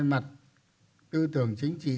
mặt tư tưởng chính trị